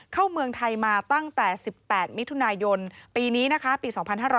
เข้าเมืองไทยมาตั้งแต่๑๘มิถุนายนปีนี้นะคะปี๒๕๕๙